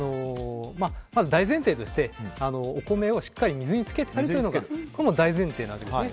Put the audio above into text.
まず大前提としてお米を水にしっかりつけるというのが大前提なわけです。